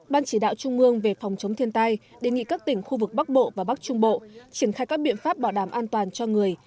ban chỉ đạo trung ương về phòng chống thiên tai đề nghị các tỉnh khu vực bắc bộ và bắc trung bộ triển khai các biện pháp bảo đảm an toàn cho người